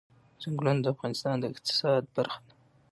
ځنګلونه د افغانستان د اقتصاد برخه ده.